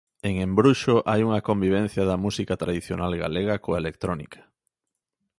En "Embruxo" hai unha convivencia da música tradicional galega coa electrónica.